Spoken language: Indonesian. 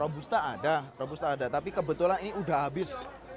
robusta ada robusta ada tapi kebetulan ini udah habis